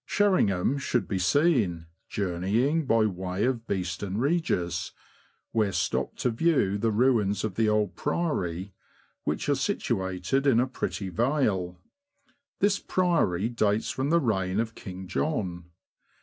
Sherringham should be seen, journeying by way of Beeston Regis, where stop to view the ruins of the old Priory, which are situated in a pretty vale ; this Priory dates from the reign of King John.